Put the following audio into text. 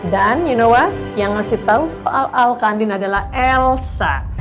dan you know what yang ngasih tau soal al ke andin adalah elsa